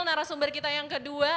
narasumber kita yang kedua